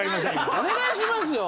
お願いしますよ